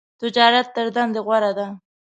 تجارت تر دندی غوره ده .